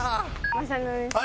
雅紀さんで。